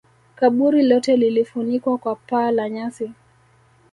kaburi lote lilifunikwa kwa paa la manyasi